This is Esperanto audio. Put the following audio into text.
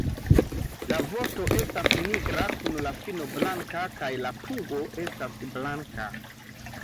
La vosto estas nigra kun la fino blanka kaj la pugo estas blanka.